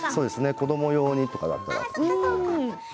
子ども用にとかだったらあったかも。